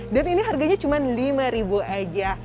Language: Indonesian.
dan ini harganya cuma rp lima aja